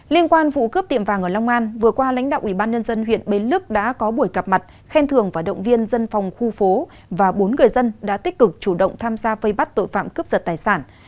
liên quan vụ cướp tiệm vàng ở long an vừa qua lãnh đạo ubnd huyện bến lức đã có buổi cặp mặt khen thường và động viên dân phòng khu phố và bốn người dân đã tích cực chủ động tham gia phây bắt tội phạm cướp giật tài sản